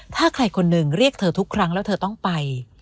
ถ้าใครคนหนึ่งเรียกเธอทุกครั้งแล้วเธอต้องไป